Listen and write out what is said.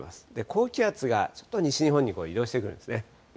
高気圧がちょっと西日本に移動してくるんですね。